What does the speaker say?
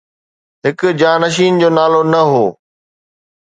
هڪ جانشين جو نالو نه هو